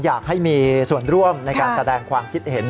อยากให้มีส่วนร่วมในการแสดงความคิดเห็น